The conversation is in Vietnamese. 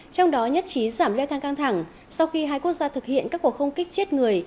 trong đó nhất trí giảm leo thang căng thẳng sau khi hai quốc gia thực hiện các cuộc không kích chết người